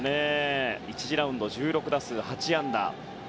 １次ラウンドは１６打数８安打。